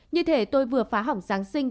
như thế tôi vừa phá hỏng giáng sinh